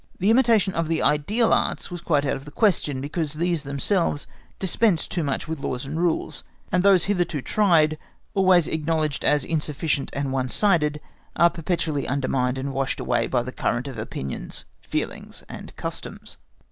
The imitation of the ideal Arts was quite out of the question, because these themselves dispense too much with laws and rules, and those hitherto tried, always acknowledged as insufficient and one sided, are perpetually undermined and washed away by the current of opinions, feelings, and customs.